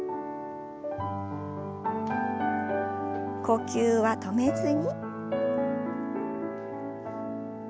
呼吸は止めずに。